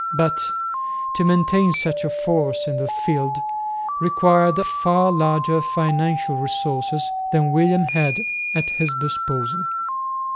But to maintain such a force in the field required far larger financial resources than William had at his disposal.